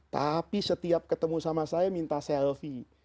tapi setiap ketemu sama saya minta selfie